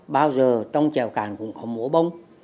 bao giờ trong trèo cạn cũng có mùa bóng